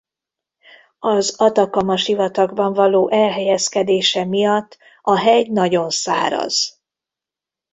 Az Atacama-sivatagban való elhelyezkedése miatt a hegy nagyon száraz.